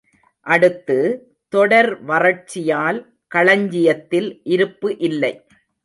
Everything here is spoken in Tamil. அடுத்து, தொடர் வறட்சியால் களஞ்சியத்தில் இருப்பு இல்லை.